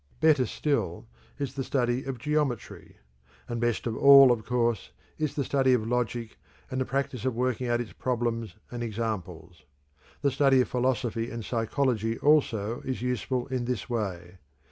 Better still is the study of geometry; and best of all, of course, is the study of logic and the practice of working out its problems and examples. The study of philosophy and psychology also is useful in this way.